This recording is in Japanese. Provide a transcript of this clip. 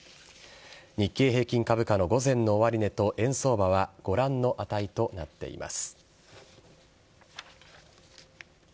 日経平均株価の午前の終わり値と円相場はご覧の値となっています。